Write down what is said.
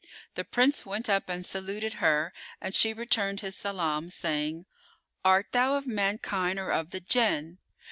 The Prince went up and saluted her, and she returned his salam, saying, "Art thou of mankind or of the Jinn?"